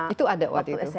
itu ada waktu itu